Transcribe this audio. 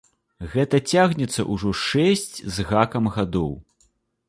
Гэта цягнецца ўжо шэсць з гакам гадоў!